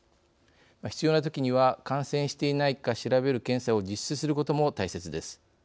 必要なときには感染していないか調べる検査を実施することも大切です。